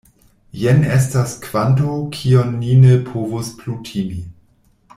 Jen estas kvanto, kiun ni ne povos plu timi.